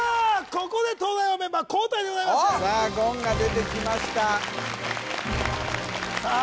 ここで東大王メンバー交代でございますさあ言が出てきましたさあ